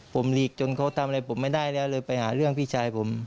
ผมหลีกจนเขาทำอะไรผมไม่ได้แล้วเลยไปหาเรื่องพี่ชายผม